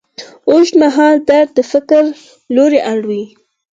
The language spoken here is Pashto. اوږدمهاله درد د فکر لوری اړوي.